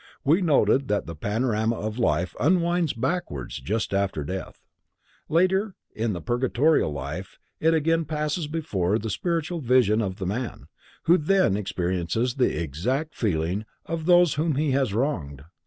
We noted that the panorama of life unwinds backwards just after death. Later, in the purgatorial life it again passes before the spiritual vision of the man, who then experiences the exact feeling of those whom he has wronged.